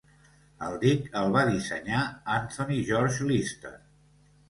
El dic el va dissenyar Anthony George Lyster.